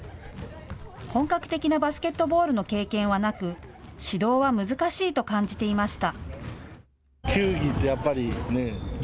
本格的なバスケットボールの経験はなく、指導は難しいと感じていました。